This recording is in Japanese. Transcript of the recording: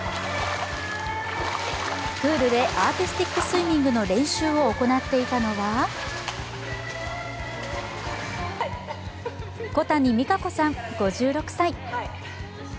プールでアーティスティックスイミングの練習を行っていたのは小谷実可子さん５６歳。